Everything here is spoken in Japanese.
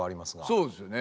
そうですよね。